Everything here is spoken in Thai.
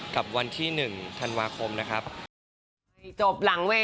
กับวันที่๑ธันวาคมนะครับ